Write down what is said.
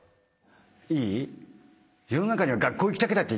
いい？